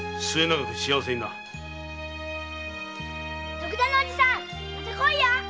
徳田のおじさんまた来いや。